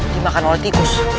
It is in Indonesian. dimakan oleh tikus